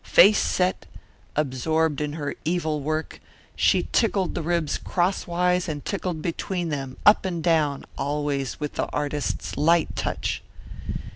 Face set, absorbed in her evil work, she tickled the ribs crosswise and tickled between them, up and down, always with the artist's light touch.